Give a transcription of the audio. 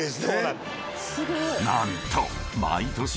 ［何と］